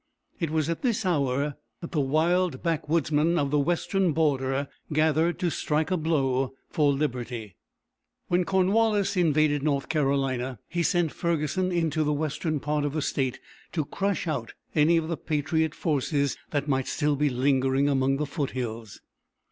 It was at this hour that the wild backwoodsmen of the western border gathered to strike a blow for liberty. When Cornwallis invaded North Carolina he sent Ferguson into the western part of the State to crush out any of the patriot forces that might still be lingering among the foot hills.